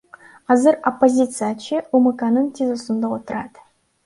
Азыр оппозициячы УКМКнын ТИЗОсунда отурат.